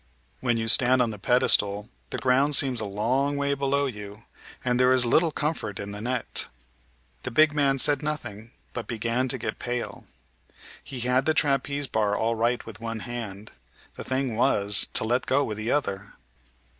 When you stand on the pedestal the ground seems a long way below you, and there is little comfort in the net. The big man said nothing, but began to get pale. He had the trapeze bar all right with one hand; the thing was to let go with the other.